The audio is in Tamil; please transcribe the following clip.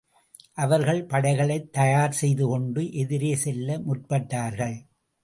அவர்கள் படைகளைத் தயார் செய்து கொண்டு, எதிரே செல்ல முற்பட்டார்கள்.